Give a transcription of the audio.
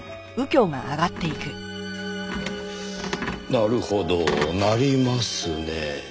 なるほど鳴りますねぇ。